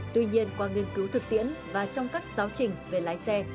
tuy nhiên qua nghiên cứu thực tiễn và trong các giáo trình về lái xe